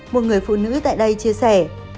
một người phụ nữ tại đây chia sẻ